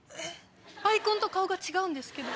アイコンと顔が違うんですけど。